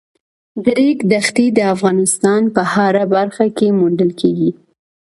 د ریګ دښتې د افغانستان په هره برخه کې موندل کېږي.